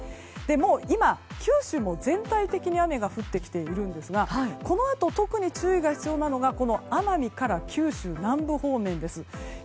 今、九州も全体的に雨が降っていますがこのあと特に注意が必要なのが奄美から九州南部方面です。